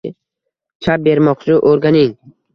Chap bermoqni o`rganing